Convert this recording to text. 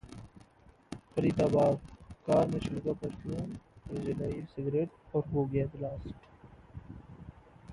Faridabad car में छिड़का परफ्यूम..फिर जलाई सिगरेट और हो गया ब्लास्ट